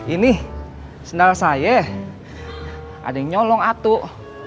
ini sendal saya ada yang nyolong atuk